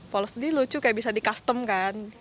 polos ini lucu kayak bisa di custom kan